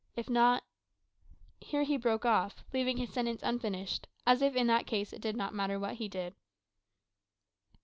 If not " Here he broke off, leaving his sentence unfinished, as if in that case it did not matter what he did.